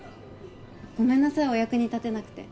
ごめんなさいお役に立てなくて。